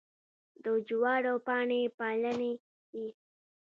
د جوارو پاڼې پلنې دي.